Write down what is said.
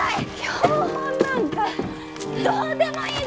標本なんかどうでもいいじゃない！